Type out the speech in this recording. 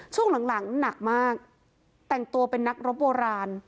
คุณปุ้ยอายุ๓๒นางความร้องไห้พูดคนเดี๋ยว